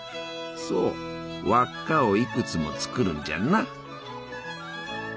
そう輪っかをいくつも作るんじゃな！